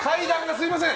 すみません！